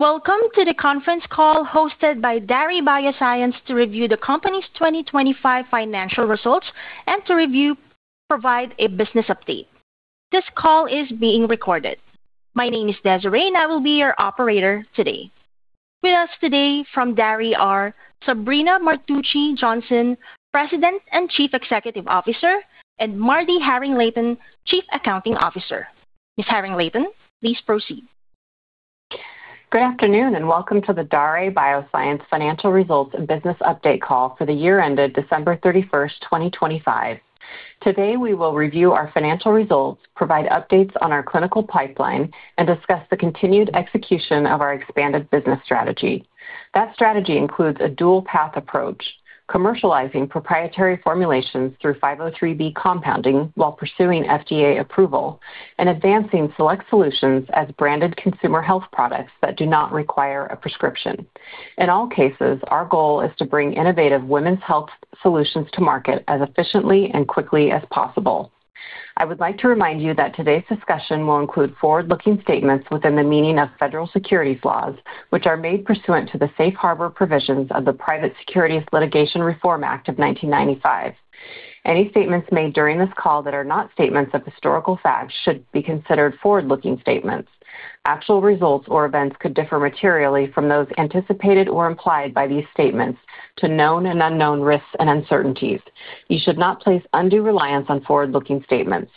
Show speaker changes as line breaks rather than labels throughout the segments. Welcome to the conference call hosted by Daré Bioscience to review the company's 2025 financial results and provide a business update. This call is being recorded. My name is Desiree, and I will be your operator today. With us today from Daré are Sabrina Martucci Johnson, President and Chief Executive Officer, and MarDee Haring-Layton, Chief Accounting Officer. Ms. Haring-Layton, please proceed.
Good afternoon, and welcome to the Daré Bioscience Financial Results and Business Update Call for the year ended December 31, 2025. Today, we will review our financial results, provide updates on our clinical pipeline, and discuss the continued execution of our expanded business strategy. That strategy includes a dual path approach, commercializing proprietary formulations through 503B compounding while pursuing FDA approval and advancing select solutions as branded consumer health products that do not require a prescription. In all cases, our goal is to bring innovative women's health solutions to market as efficiently and quickly as possible. I would like to remind you that today's discussion will include forward-looking statements within the meaning of federal securities laws, which are made pursuant to the Safe Harbor provisions of the Private Securities Litigation Reform Act of 1995. Any statements made during this call that are not statements of historical fact should be considered forward-looking statements. Actual results or events could differ materially from those anticipated or implied by these statements due to known and unknown risks and uncertainties. You should not place undue reliance on forward-looking statements.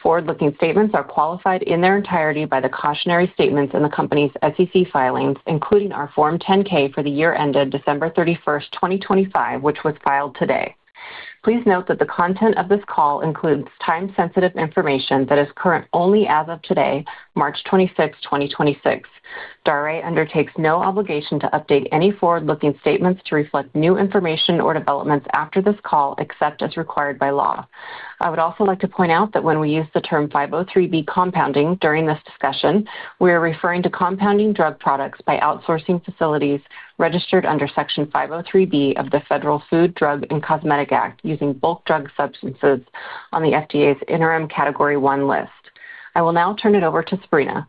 Forward-looking statements are qualified in their entirety by the cautionary statements in the company's SEC filings, including our Form 10-K for the year ended December 31, 2025, which was filed today. Please note that the content of this call includes time-sensitive information that is current only as of today, March 26, 2026. Daré undertakes no obligation to update any forward-looking statements to reflect new information or developments after this call, except as required by law. I would also like to point out that when we use the term 503B compounding during this discussion, we are referring to compounding drug products by outsourcing facilities registered under Section 503B of the Federal Food, Drug, and Cosmetic Act using bulk drug substances on the FDA's interim Category One list. I will now turn it over to Sabrina.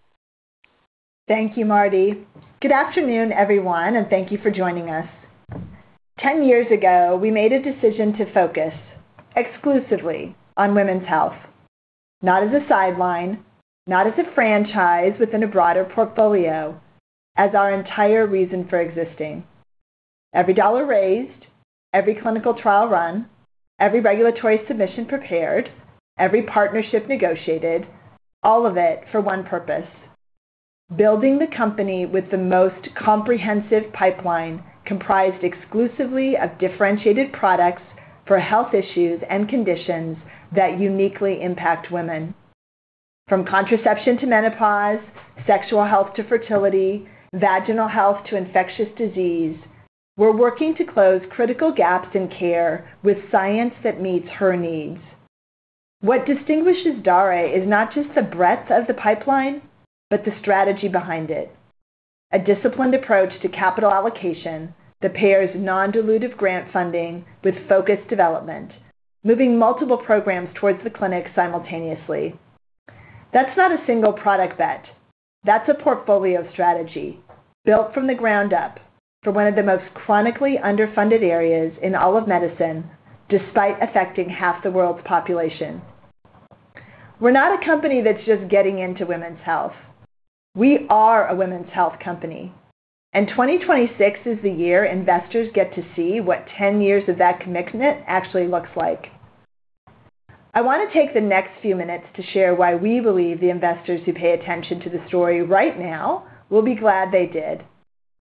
Thank you, MarDee. Good afternoon, everyone, and thank you for joining us. 10 years ago, we made a decision to focus exclusively on women's health, not as a sideline, not as a franchise within a broader portfolio, as our entire reason for existing. Every dollar raised, every clinical trial run, every regulatory submission prepared, every partnership negotiated, all of it for one purpose, building the company with the most comprehensive pipeline comprised exclusively of differentiated products for health issues and conditions that uniquely impact women. From contraception to menopause, sexual health to fertility, vaginal health to infectious disease, we're working to close critical gaps in care with science that meets her needs. What distinguishes Daré is not just the breadth of the pipeline, but the strategy behind it. A disciplined approach to capital allocation that pairs non-dilutive grant funding with focused development, moving multiple programs towards the clinic simultaneously. That's not a single product bet. That's a portfolio strategy built from the ground up for one of the most chronically underfunded areas in all of medicine, despite affecting half the world's population. We're not a company that's just getting into women's health. We are a women's health company, and 2026 is the year investors get to see what 10 years of that commitment actually looks like. I want to take the next few minutes to share why we believe the investors who pay attention to the story right now will be glad they did.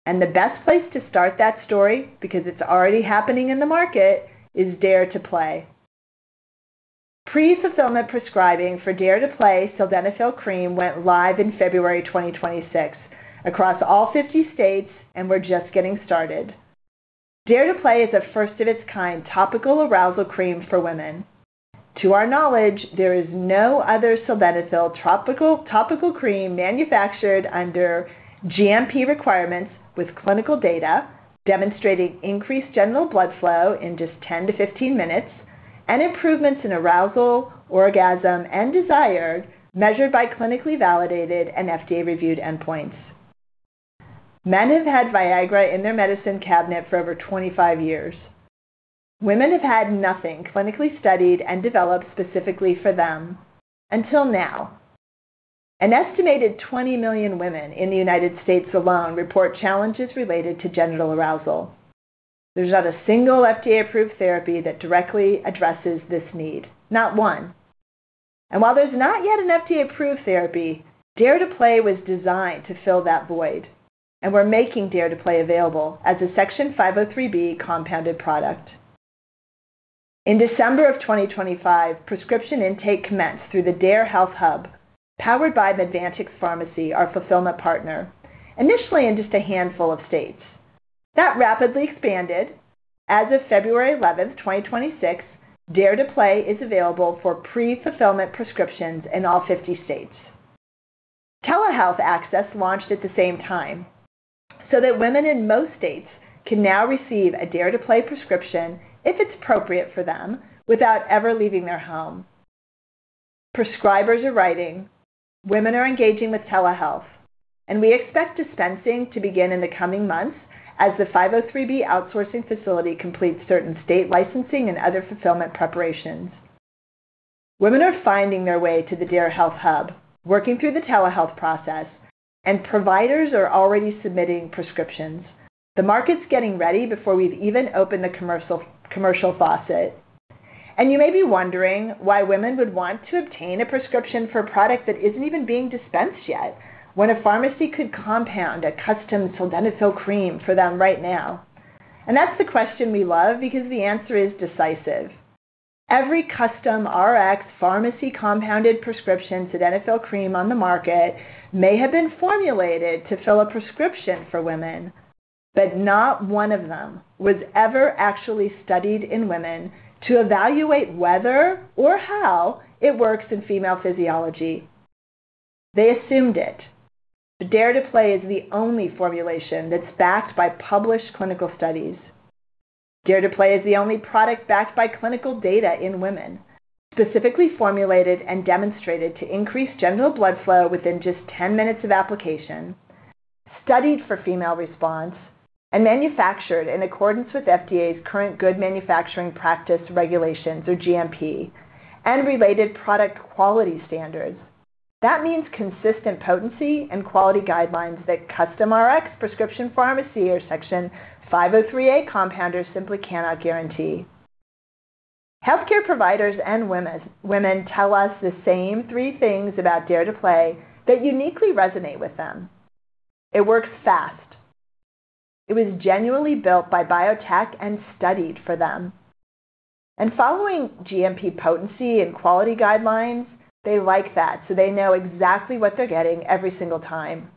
The best place to start that story, because it's already happening in the market, is DARE to PLAY. Pre-fulfillment prescribing for DARE to PLAY Sildenafil Cream went live in February 2026 across all 50 states, and we're just getting started. DARE to PLAY is a first of its kind topical arousal cream for women. To our knowledge, there is no other sildenafil topical cream manufactured under GMP requirements with clinical data demonstrating increased genital blood flow in just 10 to 15 minutes and improvements in arousal, orgasm, and desire measured by clinically validated and FDA-reviewed endpoints. Men have had Viagra in their medicine cabinet for over 25 years. Women have had nothing clinically studied and developed specifically for them until now. An estimated 20 million women in the United States alone report challenges related to genital arousal. There's not a single FDA-approved therapy that directly addresses this need. Not one. While there's not yet an FDA-approved therapy, DARE to PLAY was designed to fill that void, and we're making DARE to PLAY available as a Section 503B compounded product. In December 2025, prescription intake commenced through the DARE Health Hub, powered by Medvantx Pharmacy, our fulfillment partner, initially in just a handful of states. That rapidly expanded. As of February 11, 2026, DARE to PLAY is available for pre-fulfillment prescriptions in all 50 states. Telehealth access launched at the same time so that women in most states can now receive a DARE to PLAY prescription, if it's appropriate for them, without ever leaving their home. Prescribers are writing, women are engaging with telehealth, and we expect dispensing to begin in the coming months as the 503B outsourcing facility completes certain state licensing and other fulfillment preparations. Women are finding their way to the DARE Health Hub, working through the telehealth process, and providers are already submitting prescriptions. The market's getting ready before we've even opened the commercial faucet. You may be wondering why women would want to obtain a prescription for a product that isn't even being dispensed yet when a pharmacy could compound a custom Sildenafil Cream for them right now. That's the question we love because the answer is decisive. Every custom RX pharmacy compounded prescription Sildenafil Cream on the market may have been formulated to fill a prescription for women, but not one of them was ever actually studied in women to evaluate whether or how it works in female physiology. They assumed it, but DARE to PLAY is the only formulation that's backed by published clinical studies. DARE to PLAY is the only product backed by clinical data in women, specifically formulated and demonstrated to increase genital blood flow within just 10 minutes of application, studied for female response, and manufactured in accordance with FDA's current Good Manufacturing Practice regulations, or GMP, and related product quality standards. That means consistent potency and quality guidelines that custom RX prescription pharmacy or Section 503A compounders simply cannot guarantee. Healthcare providers and women tell us the same three things about DARE to PLAY that uniquely resonate with them. It works fast. It was genuinely built by biotech and studied for them. Following GMP potency and quality guidelines, they like that, so they know exactly what they're getting every single time.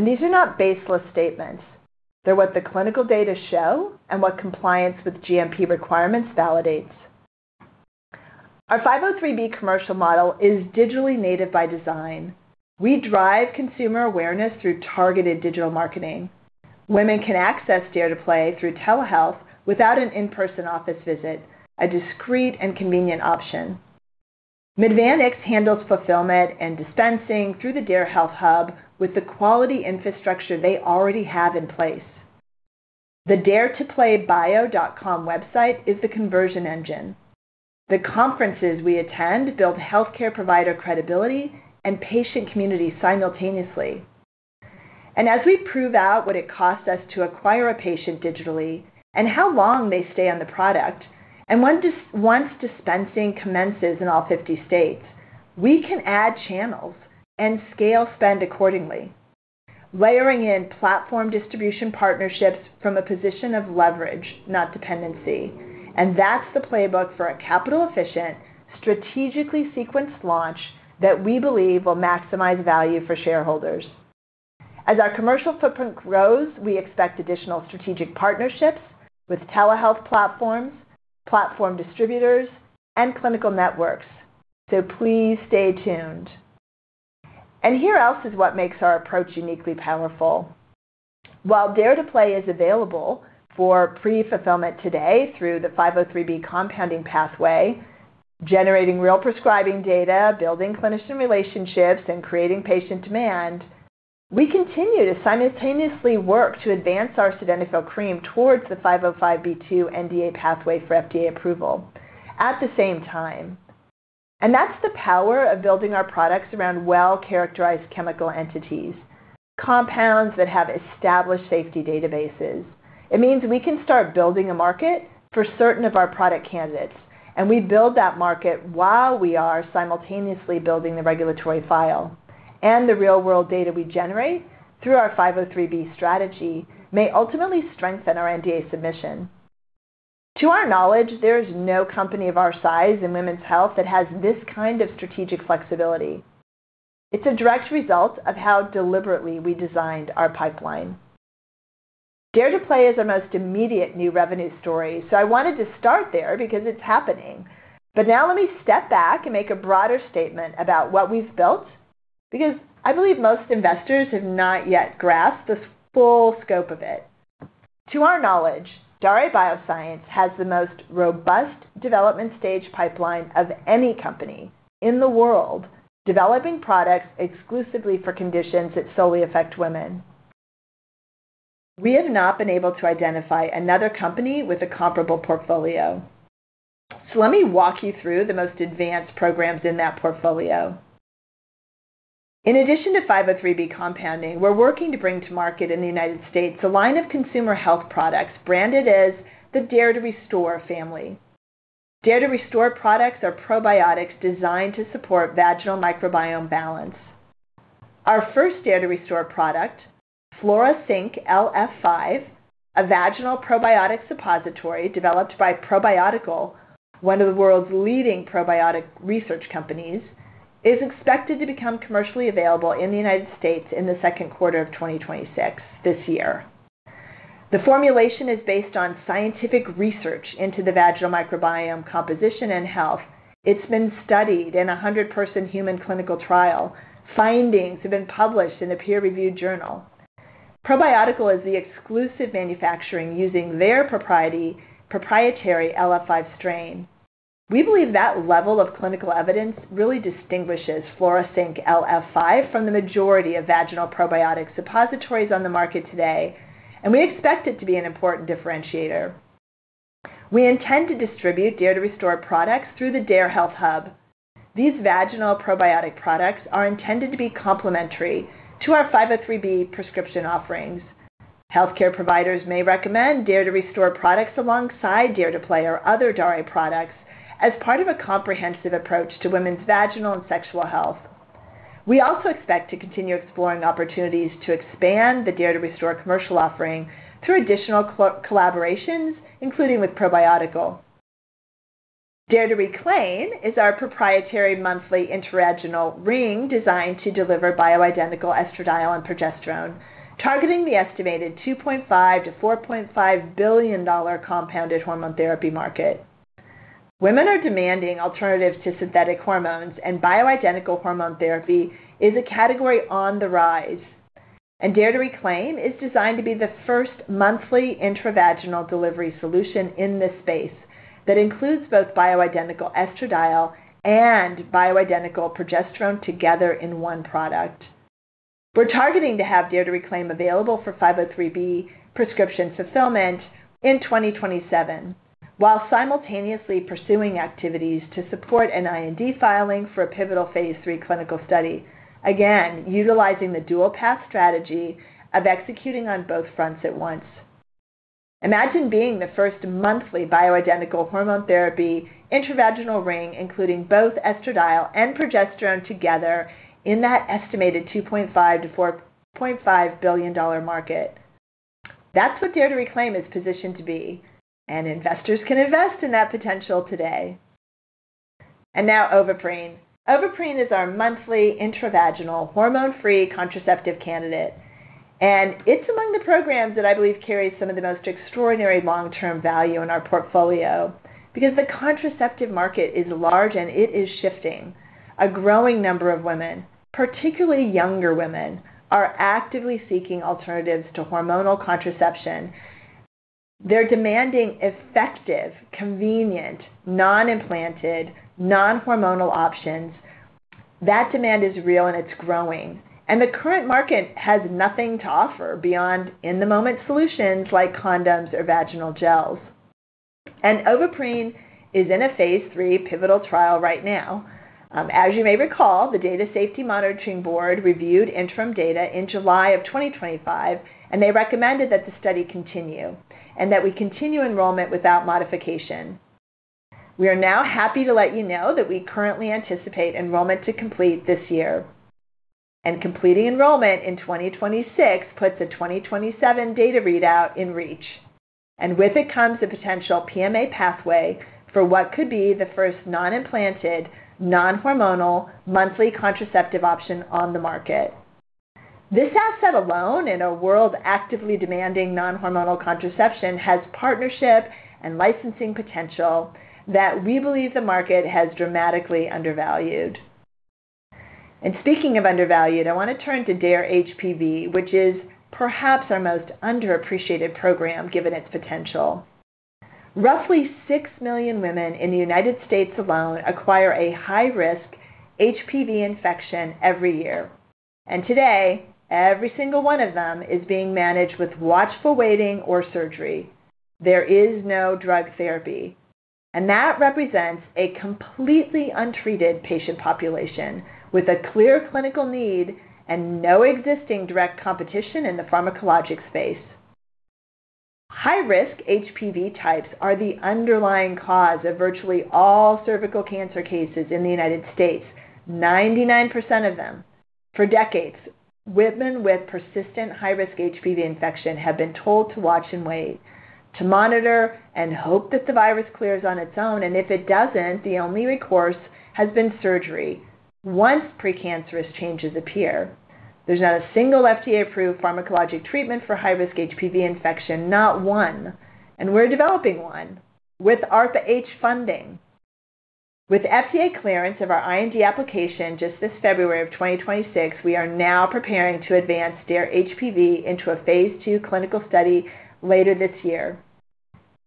These are not baseless statements. They're what the clinical data show and what compliance with GMP requirements validates. Our 503B commercial model is digitally native by design. We drive consumer awareness through targeted digital marketing. Women can access DARE to PLAY through telehealth without an in-person office visit, a discreet and convenient option. Medvantx handles fulfillment and dispensing through the DARE Health Hub with the quality infrastructure they already have in place. The daretoplaybio.com website is the conversion engine. The conferences we attend build healthcare provider credibility and patient community simultaneously. As we prove out what it costs us to acquire a patient digitally and how long they stay on the product, once dispensing commences in all 50 states, we can add channels and scale spend accordingly, layering in platform distribution partnerships from a position of leverage, not dependency. That's the playbook for a capital-efficient, strategically sequenced launch that we believe will maximize value for shareholders. As our commercial footprint grows, we expect additional strategic partnerships with telehealth platforms, platform distributors, and clinical networks. Please stay tuned. Here's what else is what makes our approach uniquely powerful. While DARE to PLAY is available for pre-fulfillment today through the 503B compounding pathway, generating real prescribing data, building clinician relationships, and creating patient demand, we continue to simultaneously work to advance our Sildenafil Cream towards the 505(b)(2) NDA pathway for FDA approval at the same time. That's the power of building our products around well-characterized chemical entities, compounds that have established safety databases. It means we can start building a market for certain of our product candidates, and we build that market while we are simultaneously building the regulatory file. The real-world data we generate through our 503B strategy may ultimately strengthen our NDA submission. To our knowledge, there is no company of our size in women's health that has this kind of strategic flexibility. It's a direct result of how deliberately we designed our pipeline. DARE to PLAY is our most immediate new revenue story, so I wanted to start there because it's happening. Now let me step back and make a broader statement about what we've built, because I believe most investors have not yet grasped the full scope of it. To our knowledge, Daré Bioscience has the most robust development stage pipeline of any company in the world, developing products exclusively for conditions that solely affect women. We have not been able to identify another company with a comparable portfolio. Let me walk you through the most advanced programs in that portfolio. In addition to 503B compounding, we're working to bring to market in the United States a line of consumer health products branded as the DARE to RESTORE family. DARE to RESTORE products are probiotics designed to support vaginal microbiome balance. Our first DARE to RESTORE product, Flora Sync LF5, a vaginal probiotic suppository developed by Probiotical, one of the world's leading probiotic research companies, is expected to become commercially available in the United States in the second quarter of 2026, this year. The formulation is based on scientific research into the vaginal microbiome composition and health. It's been studied in a 100-person human clinical trial. Findings have been published in a peer-reviewed journal. Probiotical is the exclusive manufacturer using their proprietary LF5 strain. We believe that level of clinical evidence really distinguishes Flora Sync LF5 from the majority of vaginal probiotic suppositories on the market today, and we expect it to be an important differentiator. We intend to distribute DARE to RESTORE products through the DARE Health Hub. These vaginal probiotic products are intended to be complementary to our 503B prescription offerings. Healthcare providers may recommend DARE to RESTORE products alongside DARE to PLAY or other DARE products as part of a comprehensive approach to women's vaginal and sexual health. We also expect to continue exploring opportunities to expand the DARE to RESTORE commercial offering through additional collaborations, including with Probiotical. DARE to RECLAIM is our proprietary monthly intravaginal ring designed to deliver bioidentical estradiol and progesterone, targeting the estimated $2.5 billion-$4.5 billion compounded hormone therapy market. Women are demanding alternatives to synthetic hormones, and bioidentical hormone therapy is a category on the rise. DARE to RECLAIM is designed to be the first monthly intravaginal delivery solution in this space that includes both bioidentical estradiol and bioidentical progesterone together in one product. We're targeting to have DARE to RECLAIM available for 503B prescription fulfillment in 2027, while simultaneously pursuing activities to support an IND filing for a pivotal phase III clinical study. Again, utilizing the dual path strategy of executing on both fronts at once. Imagine being the first monthly bioidentical hormone therapy intravaginal ring, including both estradiol and progesterone together in that estimated $2.5 billion-$4.5 billion market. That's what DARE to RECLAIM is positioned to be, and investors can invest in that potential today. Now Ovaprene. Ovaprene is our monthly intravaginal hormone-free contraceptive candidate, and it's among the programs that I believe carries some of the most extraordinary long-term value in our portfolio because the contraceptive market is large, and it is shifting. A growing number of women, particularly younger women, are actively seeking alternatives to hormonal contraception. They're demanding effective, convenient, non-implanted, non-hormonal options. That demand is real, and it's growing. The current market has nothing to offer beyond in-the-moment solutions like condoms or vaginal gels. Ovaprene is in a phase III pivotal trial right now. As you may recall, the Data Safety Monitoring Board reviewed interim data in July 2025, and they recommended that the study continue and that we continue enrollment without modification. We are now happy to let you know that we currently anticipate enrollment to complete this year. Completing enrollment in 2026 puts a 2027 data readout in reach. With it comes a potential PMA pathway for what could be the first non-implanted, non-hormonal monthly contraceptive option on the market. This asset alone in a world actively demanding non-hormonal contraception has partnership and licensing potential that we believe the market has dramatically undervalued. Speaking of undervalued, I want to turn to DARE-HPV, which is perhaps our most underappreciated program given its potential. Roughly 6 million women in the United States alone acquire a high-risk HPV infection every year. Today, every single one of them is being managed with watchful waiting or surgery. There is no drug therapy. That represents a completely untreated patient population with a clear clinical need and no existing direct competition in the pharmacologic space. High-risk HPV types are the underlying cause of virtually all cervical cancer cases in the United States, 99% of them. For decades, women with persistent high-risk HPV infection have been told to watch and wait, to monitor and hope that the virus clears on its own, and if it doesn't, the only recourse has been surgery once precancerous changes appear. There's not a single FDA-approved pharmacologic treatment for high-risk HPV infection, not one. We're developing one with ARPA-H funding. With FDA clearance of our IND application just this February 2026, we are now preparing to advance DARE-HPV into a phase II clinical study later this year.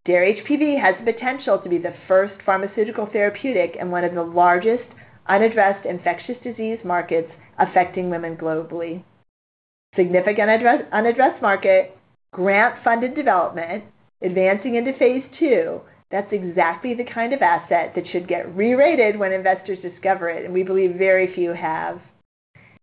DARE-HPV has the potential to be the first pharmaceutical therapeutic in one of the largest unaddressed infectious disease markets affecting women globally. Significant address, unaddressed market, grant-funded development, advancing into phase II. That's exactly the kind of asset that should get re-rated when investors discover it, and we believe very few have.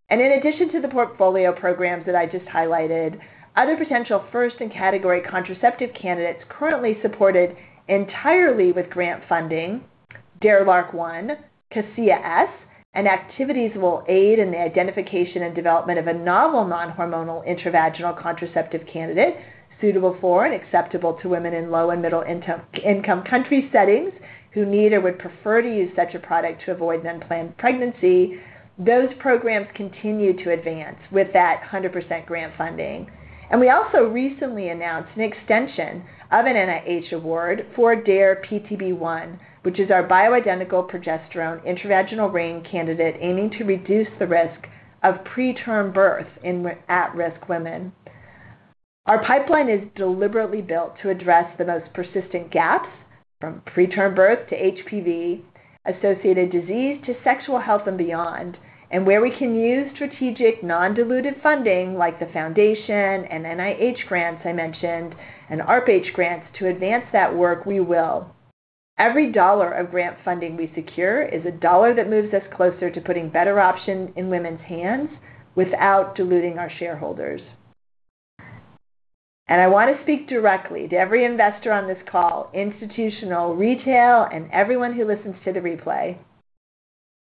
In addition to the portfolio programs that I just highlighted, other potential first-in-category contraceptive candidates currently supported entirely with grant funding, DARE-LARC1, Casea S, and activities will aid in the identification and development of a novel non-hormonal intravaginal contraceptive candidate suitable for and acceptable to women in low- and middle-income country settings who need or would prefer to use such a product to avoid unplanned pregnancy. Those programs continue to advance with that 100% grant funding. We also recently announced an extension of an NIH Award for DARE-PTB1, which is our bioidentical progesterone intravaginal ring candidate aiming to reduce the risk of preterm birth in at-risk women. Our pipeline is deliberately built to address the most persistent gaps, from preterm birth to HPV-associated disease to sexual health and beyond, and where we can use strategic non-dilutive funding like the foundation and NIH grants I mentioned and ARPA-H grants to advance that work, we will. Every dollar of grant funding we secure is a dollar that moves us closer to putting better options in women's hands without diluting our shareholders. I want to speak directly to every investor on this call, institutional, retail, and everyone who listens to the replay.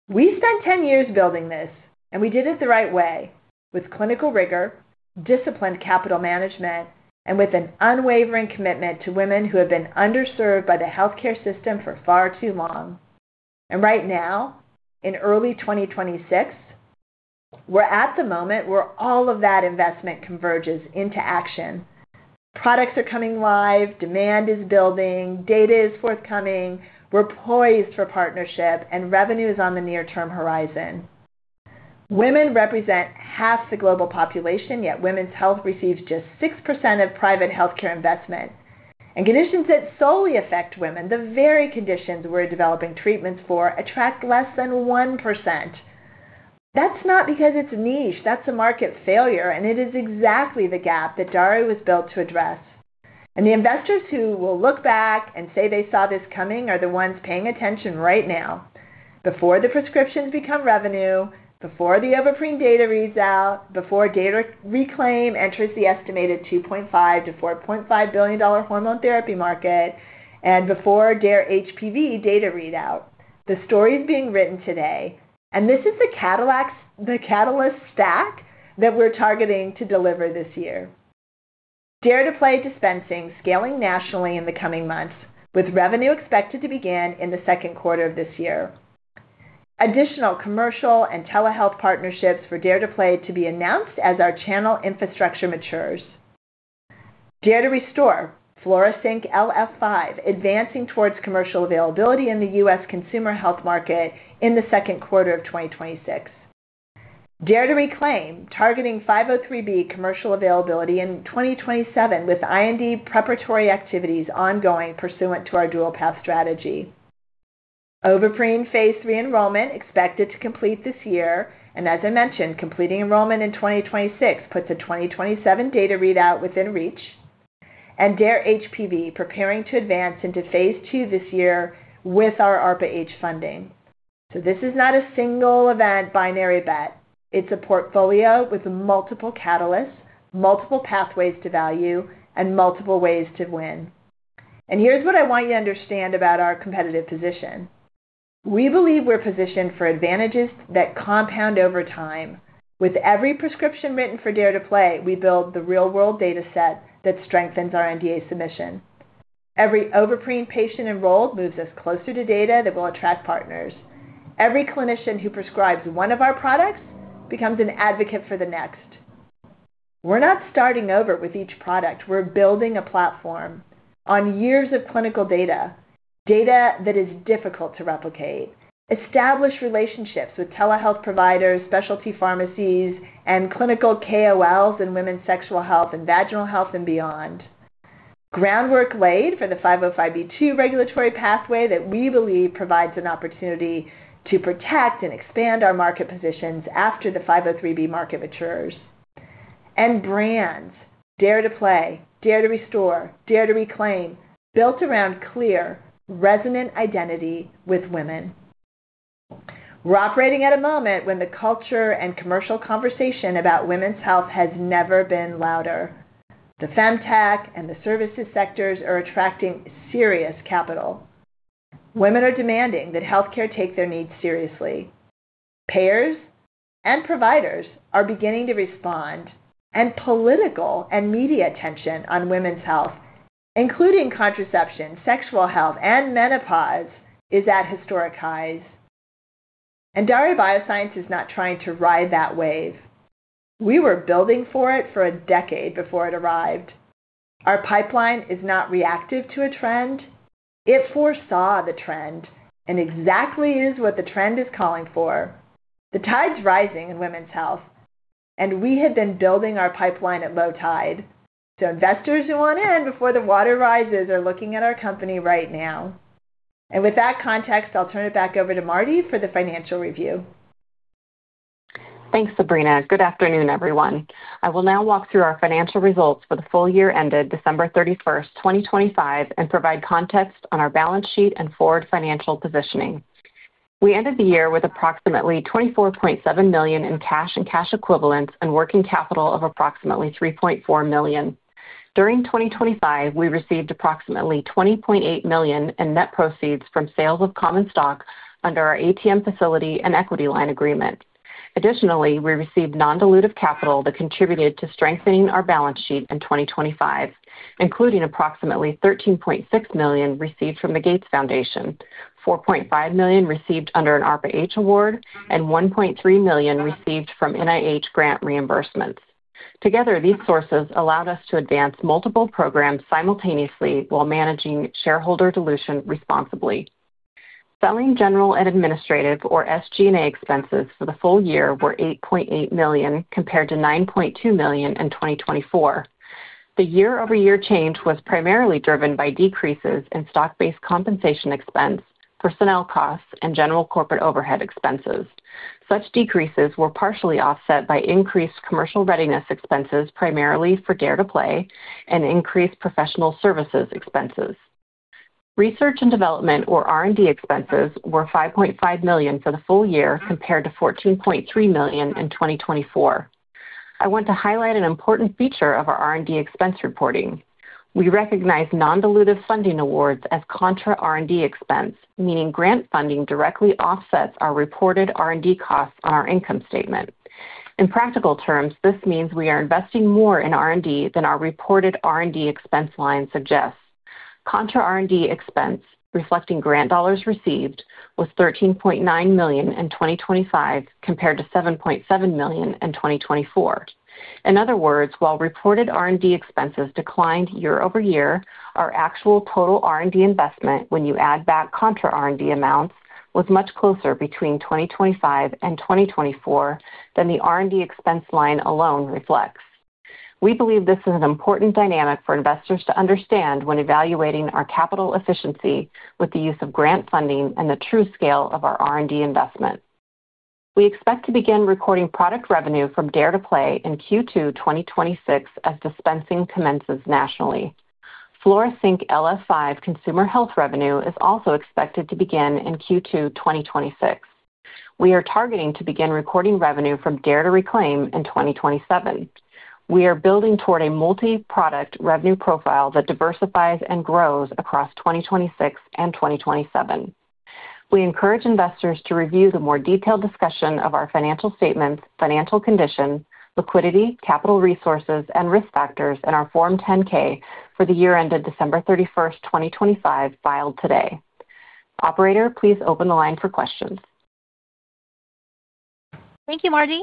We spent 10 years building this, and we did it the right way with clinical rigor, disciplined capital management, and with an unwavering commitment to women who have been underserved by the healthcare system for far too long. Right now, in early 2026, we're at the moment where all of that investment converges into action. Products are coming live, demand is building, data is forthcoming, we're poised for partnership, and revenue is on the near-term horizon. Women represent half the global population, yet women's health receives just 6% of private healthcare investment. Conditions that solely affect women, the very conditions we're developing treatments for, attract less than 1%. That's not because it's niche. That's a market failure, and it is exactly the gap that Daré was built to address. The investors who will look back and say they saw this coming are the ones paying attention right now. Before the prescriptions become revenue, before the Ovaprene data reads out, before DARE to RECLAIM enters the estimated $2.5 billion-$4.5 billion hormone therapy market, and before DARE-HPV data readout, the story is being written today. This is the catalysts, the catalyst stack that we're targeting to deliver this year. DARE to PLAY dispensing scaling nationally in the coming months, with revenue expected to begin in the second quarter of this year. Additional commercial and telehealth partnerships for DARE to PLAY to be announced as our channel infrastructure matures. DARE to RESTORE, Flora Sync LF5, advancing towards commercial availability in the U.S. consumer health market in the second quarter of 2026. DARE to RECLAIM, targeting 503B commercial availability in 2027 with IND preparatory activities ongoing pursuant to our dual path strategy. Ovaprene phase III enrollment expected to complete this year, and as I mentioned, completing enrollment in 2026 puts a 2027 data readout within reach. DARE-HPV preparing to advance into phase II this year with our ARPA-H funding. This is not a single event binary bet. It's a portfolio with multiple catalysts, multiple pathways to value, and multiple ways to win. Here's what I want you to understand about our competitive position. We believe we're positioned for advantages that compound over time. With every prescription written for DARE to PLAY, we build the real-world data set that strengthens our NDA submission. Every Ovaprene patient enrolled moves us closer to data that will attract partners. Every clinician who prescribes one of our products becomes an advocate for the next. We're not starting over with each product. We're building a platform on years of clinical data that is difficult to replicate, establish relationships with telehealth providers, specialty pharmacies, and clinical KOLs in women's sexual health and vaginal health and beyond. Groundwork laid for the 505(b)(2) regulatory pathway that we believe provides an opportunity to protect and expand our market positions after the 503B market matures. Brands, DARE to PLAY, DARE to RESTORE, DARE to RECLAIM, built around clear, resonant identity with women. We're operating at a moment when the culture and commercial conversation about women's health has never been louder. The FemTech and the services sectors are attracting serious capital. Women are demanding that healthcare take their needs seriously. Payers and providers are beginning to respond, and political and media attention on women's health, including contraception, sexual health, and menopause, is at historic highs. Daré Bioscience is not trying to ride that wave. We were building for it for a decade before it arrived. Our pipeline is not reactive to a trend. It foresaw the trend and exactly is what the trend is calling for. The tide's rising in women's health, and we have been building our pipeline at low tide. Investors who want in before the water rises are looking at our company right now. With that context, I'll turn it back over to MarDee for the financial review.
Thanks, Sabrina. Good afternoon, everyone. I will now walk through our financial results for the full year ended December 31, 2025 and provide context on our balance sheet and forward financial positioning. We ended the year with approximately $24.7 million in cash and cash equivalents and working capital of approximately $3.4 million. During 2025, we received approximately $20.8 million in net proceeds from sales of common stock under our ATM facility and equity line agreement. Additionally, we received non-dilutive capital that contributed to strengthening our balance sheet in 2025, including approximately $13.6 million received from the Gates Foundation, $4.5 million received under an ARPA-H Award, and $1.3 million received from NIH grant reimbursements. Together, these sources allowed us to advance multiple programs simultaneously while managing shareholder dilution responsibly. Selling, general and administrative, or SG&A, expenses for the full year were $8.8 million compared to $9.2 million in 2024. The year-over-year change was primarily driven by decreases in stock-based compensation expense, personnel costs, and general corporate overhead expenses. Such decreases were partially offset by increased commercial readiness expenses, primarily for DARE to PLAY, and increased professional services expenses. Research and development, or R&D, expenses were $5.5 million for the full year compared to $14.3 million in 2024. I want to highlight an important feature of our R&D expense reporting. We recognize non-dilutive funding awards as contra R&D expense, meaning grant funding directly offsets our reported R&D costs on our income statement. In practical terms, this means we are investing more in R&D than our reported R&D expense line suggests. Contra-R&D expense, reflecting grant dollars received, was $13.9 million in 2025 compared to $7.7 million in 2024. In other words, while reported R&D expenses declined year-over-year, our actual total R&D investment when you add back contra-R&D amounts was much closer between 2025 and 2024 than the R&D expense line alone reflects. We believe this is an important dynamic for investors to understand when evaluating our capital efficiency with the use of grant funding and the true scale of our R&D investment. We expect to begin recording product revenue from DARE to PLAY in Q2 2026 as dispensing commences nationally. Flora Sync LF5 consumer health revenue is also expected to begin in Q2 2026. We are targeting to begin recording revenue from DARE to RECLAIM in 2027. We are building toward a multi-product revenue profile that diversifies and grows across 2026 and 2027. We encourage investors to review the more detailed discussion of our financial statements, financial condition, liquidity, capital resources, and risk factors in our Form 10-K for the year ended December 31st, 2025, filed today. Operator, please open the line for questions.
Thank you, MarDee.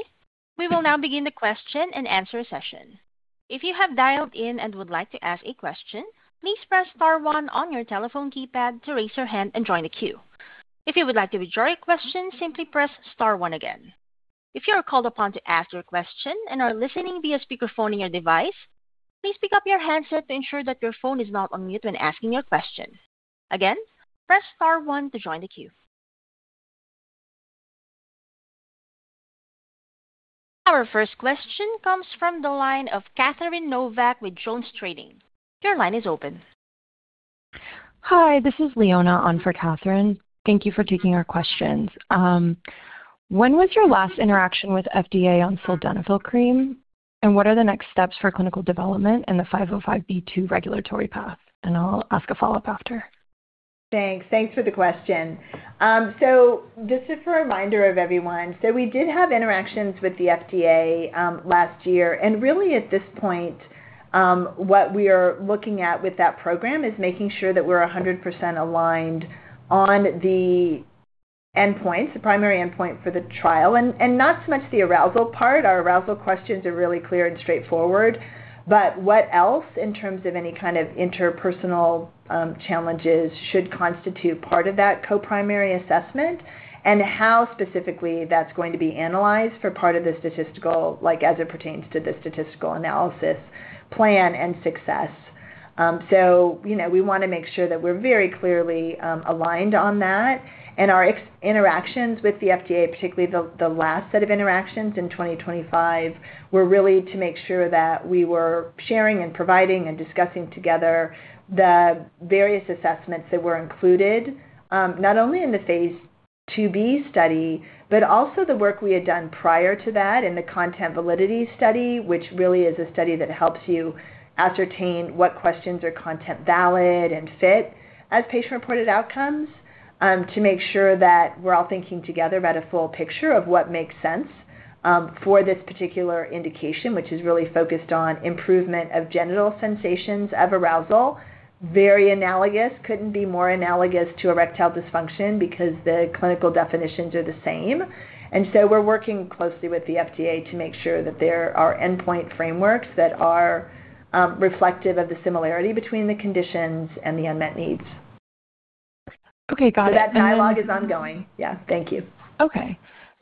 We will now begin the question and answer session. If you have dialed in and would like to ask a question, please press star one on your telephone keypad to raise your hand and join the queue. If you would like to withdraw your question, simply press star one again. If you are called upon to ask your question and are listening via speakerphone in your device, please pick up your handset to ensure that your phone is not on mute when asking your question. Again, press star one to join the queue. Our first question comes from the line of Catherine Novack with JonesTrading. Your line is open.
Hi, this is Leona on for Catherine. Thank you for taking our questions. When was your last interaction with FDA on Sildenafil Cream? What are the next steps for clinical development in the 505(b)(2) regulatory path? I'll ask a follow-up after.
Thanks. Thanks for the question. Just a reminder to everyone. We did have interactions with the FDA last year, and really at this point, what we are looking at with that program is making sure that we're 100% aligned on the endpoints, the primary endpoint for the trial, and not so much the arousal part. Our arousal questions are really clear and straightforward. But what else in terms of any kind of interpersonal challenges should constitute part of that co-primary assessment and how specifically that's going to be analyzed like, as it pertains to the statistical analysis plan and success. You know, we wanna make sure that we're very clearly aligned on that. Our interactions with the FDA, particularly the last set of interactions in 2025, were really to make sure that we were sharing and providing and discussing together the various assessments that were included, not only in the phase II-B study, but also the work we had done prior to that in the content validity study, which really is a study that helps you ascertain what questions are content valid and fit as patient-reported outcomes, to make sure that we're all thinking together about a full picture of what makes sense, for this particular indication, which is really focused on improvement of genital sensations of arousal. Very analogous. Couldn't be more analogous to erectile dysfunction because the clinical definitions are the same. We're working closely with the FDA to make sure that there are endpoint frameworks that are reflective of the similarity between the conditions and the unmet needs.
Okay. Got it.
That dialogue is ongoing. Yeah. Thank you.
Okay.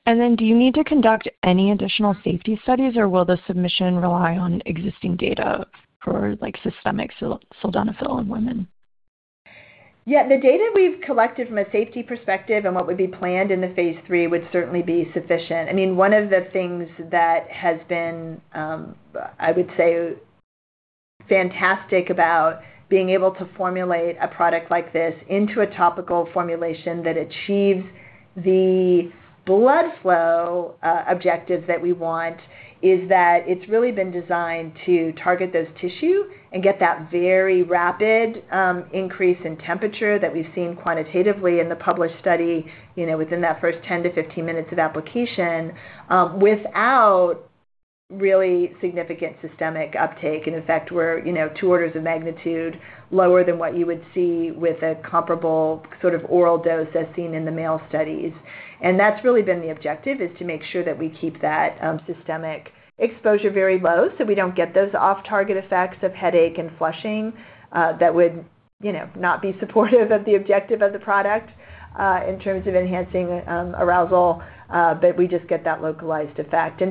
Do you need to conduct any additional safety studies, or will the submission rely on existing data for, like, systemic sildenafil in women?
Yeah. The data we've collected from a safety perspective and what would be planned in the phase III would certainly be sufficient. I mean, one of the things that has been, I would say fantastic about being able to formulate a product like this into a topical formulation that achieves the blood flow objective that we want is that it's really been designed to target those tissue and get that very rapid, increase in temperature that we've seen quantitatively in the published study, you know, within that first 10 to 15 minutes of application, without really significant systemic uptake. In fact, we're, you know, two orders of magnitude lower than what you would see with a comparable sort of oral dose as seen in the male studies. That's really been the objective, is to make sure that we keep that systemic exposure very low, so we don't get those off-target effects of headache and flushing. That would, you know, not be supportive of the objective of the product in terms of enhancing arousal. But we just get that localized effect.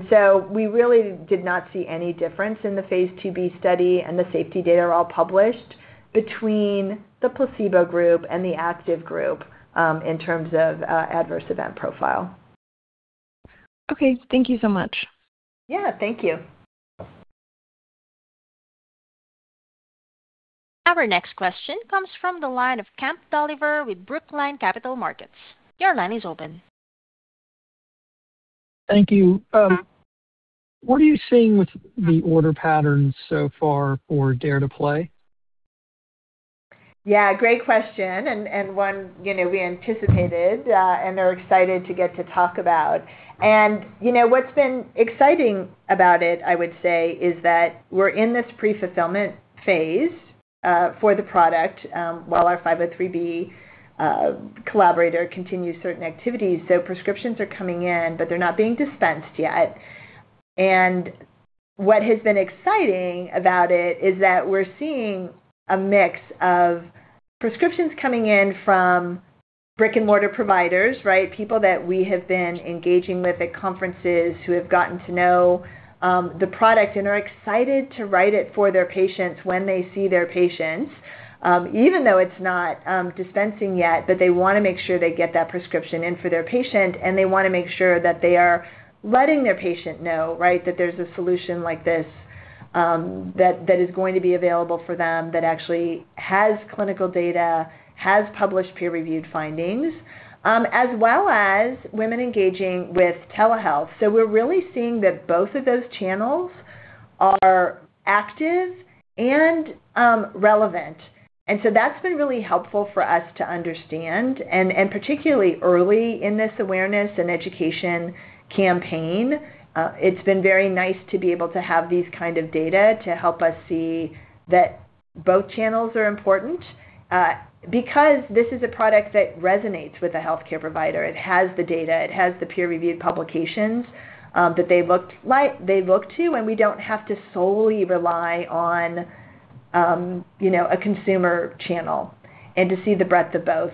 We really did not see any difference in the phase II-B study, and the safety data are all published between the placebo group and the active group in terms of adverse event profile. Okay. Thank you so much. Yeah, thank you.
Our next question comes from the line of Kemp Dolliver with Brookline Capital Markets. Your line is open.
Thank you. What are you seeing with the order patterns so far for DARE to PLAY?
Yeah, great question, and one, you know, we anticipated and are excited to get to talk about. You know what's been exciting about it, I would say, is that we're in this pre-fulfillment phase for the product while our 503B collaborator continues certain activities. Prescriptions are coming in, but they're not being dispensed yet. What has been exciting about it is that we're seeing a mix of prescriptions coming in from brick-and-mortar providers, right? People that we have been engaging with at conferences who have gotten to know the product and are excited to write it for their patients when they see their patients even though it's not dispensing yet. They wanna make sure they get that prescription in for their patient, and they wanna make sure that they are letting their patient know, right, that there's a solution like this, that is going to be available for them that actually has clinical data, has published peer-reviewed findings, as well as women engaging with telehealth. We're really seeing that both of those channels are active and relevant. That's been really helpful for us to understand. Particularly early in this awareness and education campaign, it's been very nice to be able to have these kind of data to help us see that both channels are important, because this is a product that resonates with a healthcare provider. It has the data, it has the peer-reviewed publications that they look to, and we don't have to solely rely on, you know, a consumer channel and to see the breadth of both.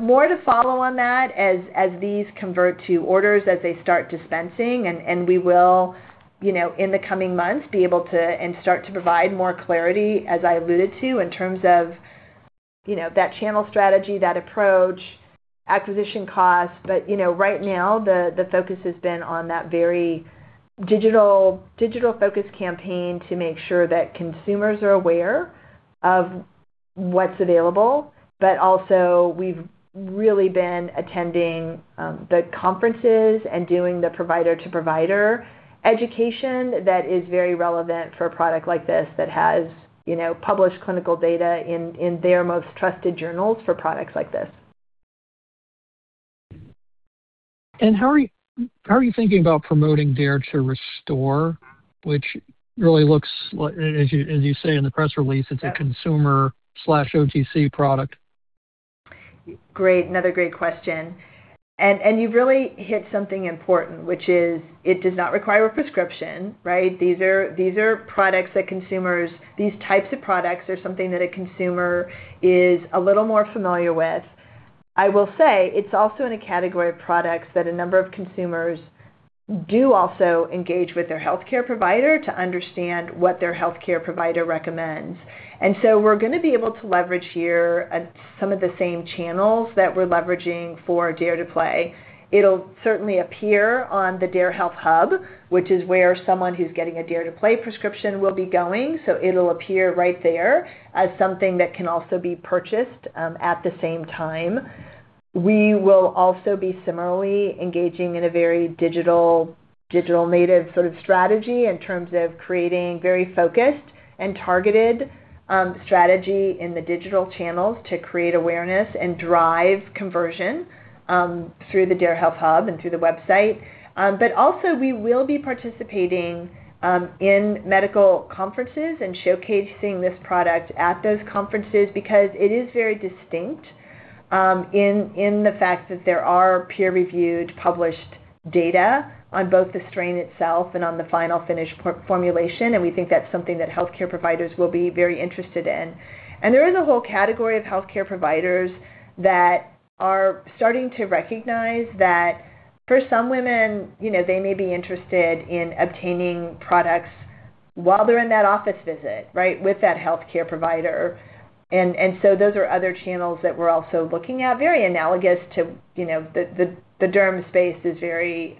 More to follow on that as these convert to orders, as they start dispensing, and we will, you know, in the coming months be able to and start to provide more clarity, as I alluded to, in terms of, you know, that channel strategy, that approach, acquisition costs. Right now the focus has been on that very digital-focused campaign to make sure that consumers are aware of what's available. We've really been attending the conferences and doing the provider-to-provider education that is very relevant for a product like this that has, you know, published clinical data in their most trusted journals for products like this.
How are you thinking about promoting DARE to RESTORE, which really looks like, as you say in the press release?
Yes.
It's a consumer/OTC product.
Great. Another great question. You really hit something important, which is it does not require a prescription, right? These are products that consumers. These types of products are something that a consumer is a little more familiar with. I will say it's also in a category of products that a number of consumers do also engage with their healthcare provider to understand what their healthcare provider recommends. We're gonna be able to leverage here some of the same channels that we're leveraging for DARE to PLAY. It'll certainly appear on the DARE Health Hub, which is where someone who's getting a DARE to PLAY prescription will be going. It'll appear right there as something that can also be purchased at the same time. We will also be similarly engaging in a very digital native sort of strategy in terms of creating very focused and targeted strategy in the digital channels to create awareness and drive conversion through the DARE Health Hub and through the website. We will be participating in medical conferences and showcasing this product at those conferences because it is very distinct in the fact that there are peer-reviewed published data on both the strain itself and on the final finished formulation. We think that's something that healthcare providers will be very interested in. There is a whole category of healthcare providers that are starting to recognize that for some women, you know, they may be interested in obtaining products while they're in that office visit, right, with that healthcare provider. Those are other channels that we're also looking at, very analogous to, you know, the derm space is very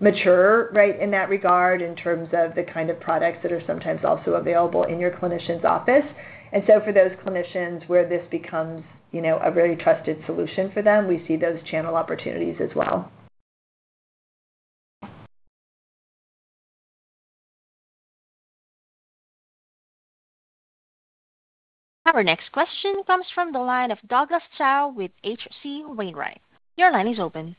mature, right, in that regard in terms of the kind of products that are sometimes also available in your clinician's office. For those clinicians where this becomes, you know, a very trusted solution for them, we see those channel opportunities as well.
Our next question comes from the line of Douglas Tsao with H.C. Wainwright. Your line is open.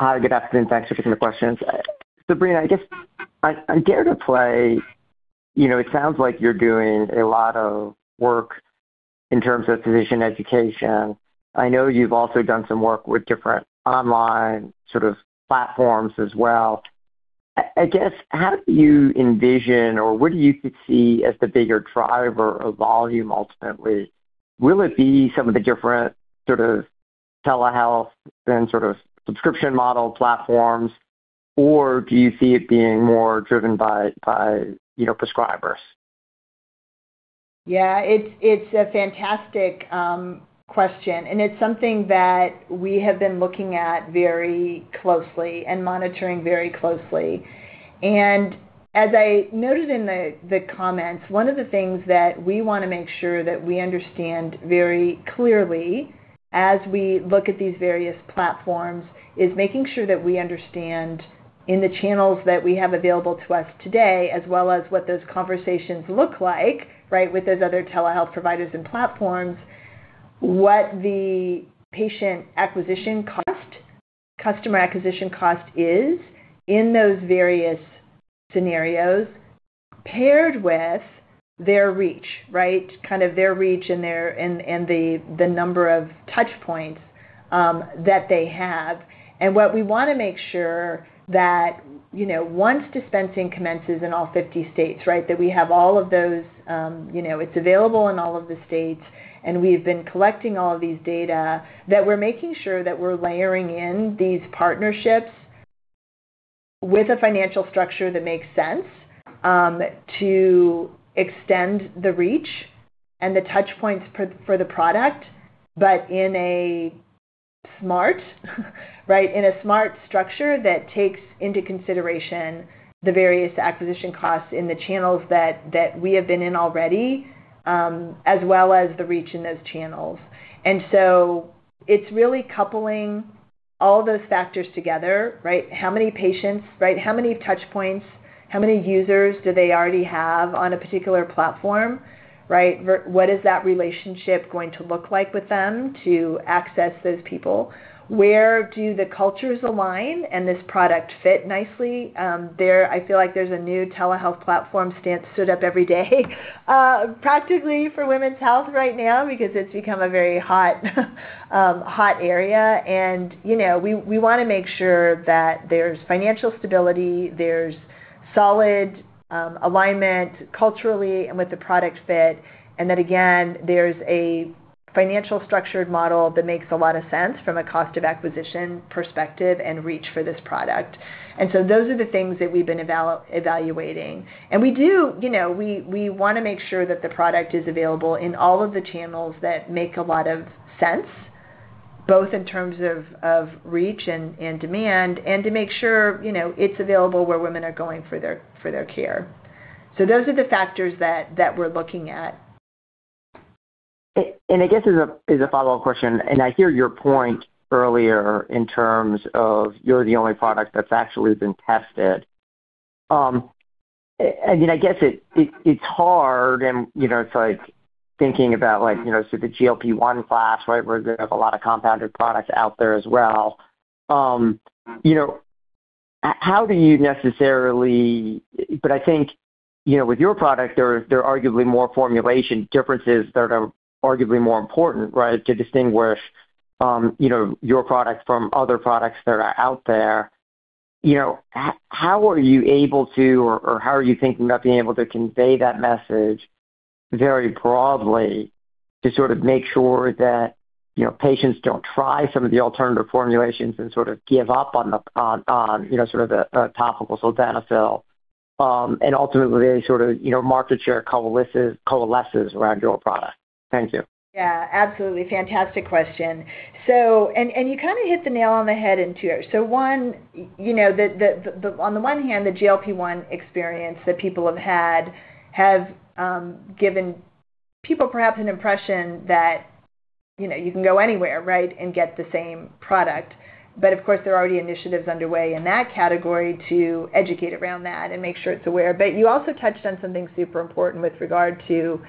Hi. Good afternoon. Thanks for taking the questions. Sabrina, I guess on DARE to PLAY, you know, it sounds like you're doing a lot of work in terms of physician education. I know you've also done some work with different online sort of platforms as well. I guess, how do you envision or what do you foresee as the bigger driver of volume ultimately? Will it be some of the different sort of telehealth and sort of subscription model platforms or do you see it being more driven by, you know, prescribers?
Yeah. It's a fantastic question, and it's something that we have been looking at very closely and monitoring very closely. As I noted in the comments, one of the things that we wanna make sure that we understand very clearly as we look at these various platforms is making sure that we understand in the channels that we have available to us today as well as what those conversations look like, right, with those other telehealth providers and platforms, what the patient acquisition cost, customer acquisition cost is in those various scenarios paired with their reach, right? Kind of their reach and the number of touchpoints that they have. What we wanna make sure that, you know, once dispensing commences in all 50 states, right, that we have all of those, you know, it's available in all of the states, and we've been collecting all of these data, that we're making sure that we're layering in these partnerships with a financial structure that makes sense, to extend the reach and the touchpoints for the product, but in a smart right, in a smart structure that takes into consideration the various acquisition costs in the channels that we have been in already, as well as the reach in those channels. It's really coupling all those factors together, right? How many patients, right, how many touchpoints, how many users do they already have on a particular platform, right? What is that relationship going to look like with them to access those people? Where do the cultures align and this product fit nicely? I feel like there's a new telehealth platform stood up every day, practically for women's health right now because it's become a very hot area. You know, we wanna make sure that there's financial stability, there's solid alignment culturally and with the product fit, and that again, there's a financially structured model that makes a lot of sense from a cost of acquisition perspective and reach for this product. Those are the things that we've been evaluating. You know, we wanna make sure that the product is available in all of the channels that make a lot of sense, both in terms of reach and demand, and to make sure, you know, it's available where women are going for their care. Those are the factors that we're looking at.
I guess as a follow-up question, I hear your point earlier in terms of you're the only product that's actually been tested. I guess it's hard, you know, it's like thinking about like, you know, so the GLP-1 class, right, where there are a lot of compounded products out there as well. You know, how do you necessarily. I think, you know, with your product, there are arguably more formulation differences that are arguably more important, right, to distinguish, you know, your product from other products that are out there. You know, how are you able to or how are you thinking about being able to convey that message very broadly to sort of make sure that, you know, patients don't try some of the alternative formulations and sort of give up on the, you know, sort of the topical sildenafil, and ultimately any sort of, you know, market share coalesces around your product? Thank you.
Yeah. Absolutely. Fantastic question. You kinda hit the nail on the head in two. One, you know, On the one hand, the GLP-1 experience that people have had given people perhaps an impression that, you know, you can go anywhere, right, and get the same product. But of course, there are already initiatives underway in that category to educate around that and make sure it's aware. But you also touched on something super important with regard to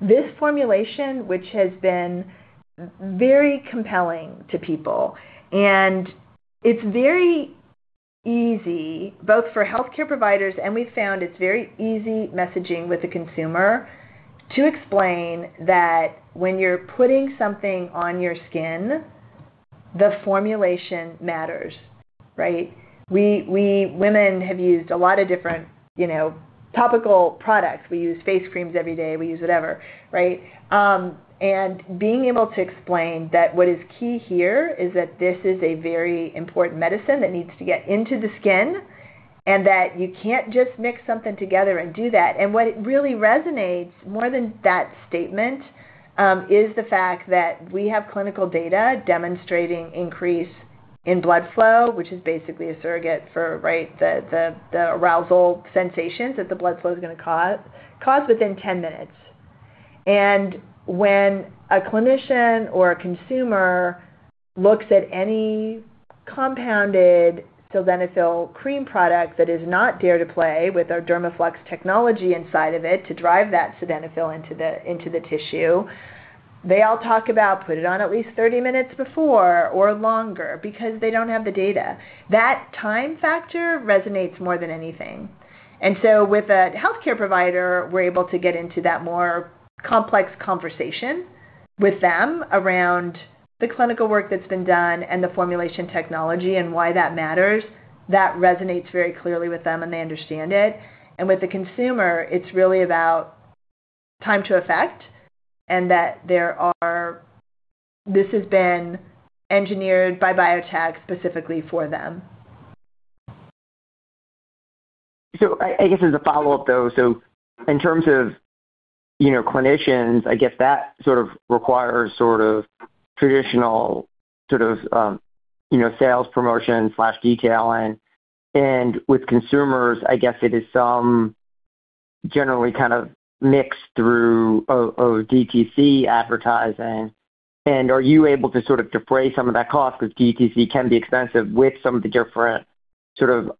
this formulation, which has been very compelling to people. It's very easy both for healthcare providers, and we've found it's very easy messaging with the consumer to explain that when you're putting something on your skin, the formulation matters, right? We women have used a lot of different, you know, topical products. We use face creams every day, we use whatever, right? Being able to explain that what is key here is that this is a very important medicine that needs to get into the skin, and that you can't just mix something together and do that. What it really resonates more than that statement is the fact that we have clinical data demonstrating increase in blood flow, which is basically a surrogate for the arousal sensations that the blood flow is gonna cause within 10 minutes. When a clinician or a consumer looks at any compounded Sildenafil Cream product that is not DARE to PLAY with our Dermalux technology inside of it to drive that sildenafil into the tissue, they all talk about put it on at least 30 minutes before or longer because they don't have the data. That time factor resonates more than anything. With a healthcare provider, we're able to get into that more complex conversation with them around the clinical work that's been done and the formulation technology and why that matters, that resonates very clearly with them, and they understand it. With the consumer, it's really about time to effect and that there are this has been engineered by Biotag specifically for them.
I guess as a follow-up, though, in terms of, you know, clinicians, I guess that sort of requires traditional, you know, sales promotion/detailing. With consumers, I guess it is some generally kind of mix through DTC advertising. Are you able to sort of defray some of that cost? 'Cause DTC can be expensive with some of the different sort of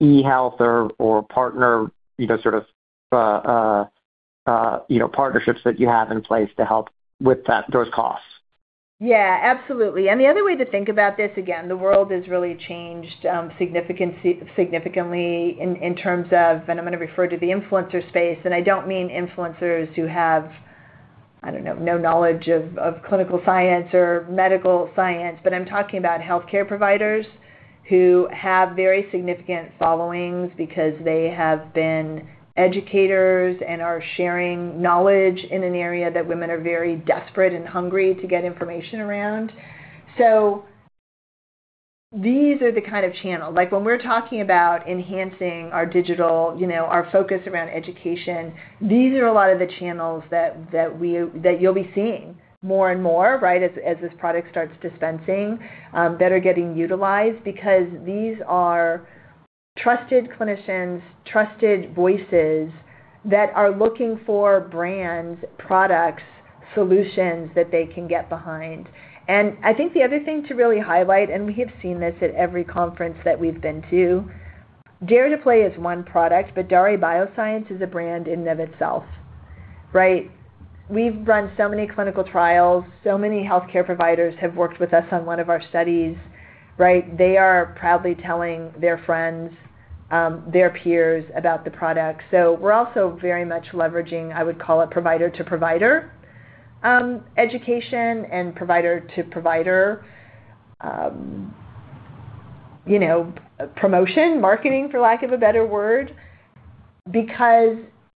eHealth or partner, you know, sort of partnerships that you have in place to help with those costs.
Yeah, absolutely. The other way to think about this, again, the world has really changed significantly in terms of. I'm gonna refer to the influencer space, and I don't mean influencers who have, I don't know, no knowledge of clinical science or medical science, but I'm talking about healthcare providers who have very significant followings because they have been educators and are sharing knowledge in an area that women are very desperate and hungry to get information around. These are the kind of channels. Like, when we're talking about enhancing our digital, you know, our focus around education, these are a lot of the channels that you'll be seeing more and more, right, as this product starts dispensing, that are getting utilized. Because these are trusted clinicians, trusted voices that are looking for brands, products, solutions that they can get behind. I think the other thing to really highlight, and we have seen this at every conference that we've been to, DARE to PLAY is one product, but Daré Bioscience is a brand in and of itself, right? We've run so many clinical trials, so many healthcare providers have worked with us on one of our studies, right? They are proudly telling their friends, their peers about the product. We're also very much leveraging, I would call it provider-to-provider, education and provider-to-provider, you know, promotion, marketing, for lack of a better word. Because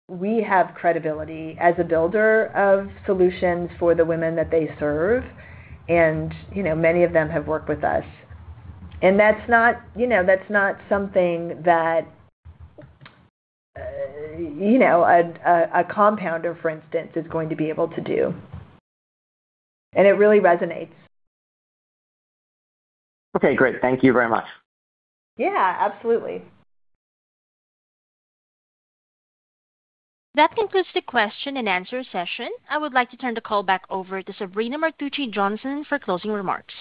we have credibility as a builder of solutions for the women that they serve and, you know, many of them have worked with us. That's not, you know, that's not something that, you know, a compounder, for instance, is going to be able to do. It really resonates.
Okay, great. Thank you very much.
Yeah. Absolutely.
That concludes the question and answer session. I would like to turn the call back over to Sabrina Martucci Johnson for closing remarks.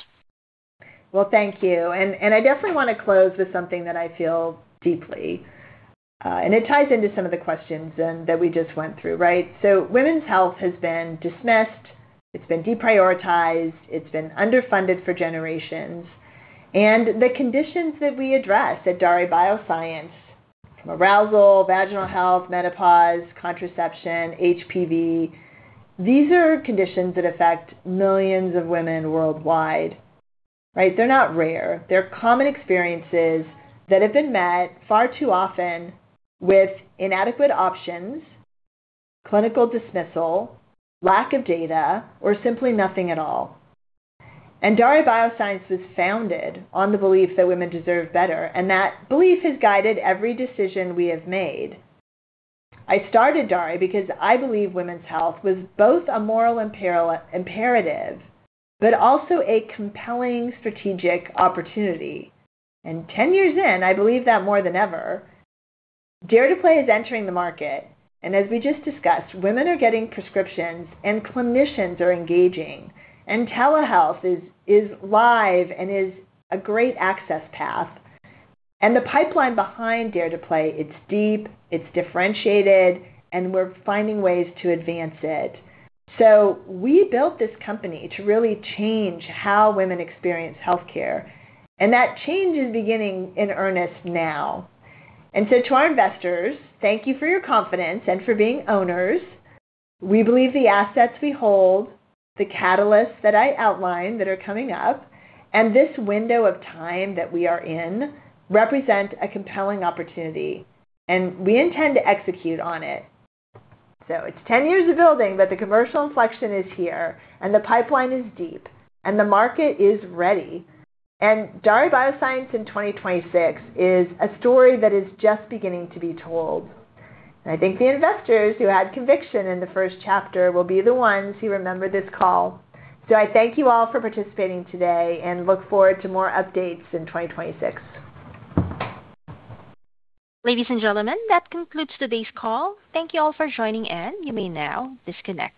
Well, thank you. I definitely wanna close with something that I feel deeply, and it ties into some of the questions that we just went through, right? Women's health has been dismissed, it's been deprioritized, it's been underfunded for generations. The conditions that we address at Daré Bioscience, from arousal, vaginal health, menopause, contraception, HPV, these are conditions that affect millions of women worldwide, right? They're not rare. They're common experiences that have been met far too often with inadequate options, clinical dismissal, lack of data, or simply nothing at all. Daré Bioscience was founded on the belief that women deserve better, and that belief has guided every decision we have made. I started Daré because I believe women's health was both a moral imperative but also a compelling strategic opportunity. 10 years in, I believe that more than ever. DARE to PLAY is entering the market, and as we just discussed, women are getting prescriptions and clinicians are engaging, and telehealth is live and is a great access path. The pipeline behind DARE to PLAY, it's deep, it's differentiated, and we're finding ways to advance it. We built this company to really change how women experience healthcare, and that change is beginning in earnest now. To our investors, thank you for your confidence and for being owners. We believe the assets we hold, the catalysts that I outlined that are coming up, and this window of time that we are in represent a compelling opportunity, and we intend to execute on it. It's 10 years of building, but the commercial inflection is here, and the pipeline is deep, and the market is ready. Daré Bioscience in 2026 is a story that is just beginning to be told. I think the investors who had conviction in the first chapter will be the ones who remember this call. I thank you all for participating today and look forward to more updates in 2026.
Ladies and gentlemen, that concludes today's call. Thank you all for joining, and you may now disconnect.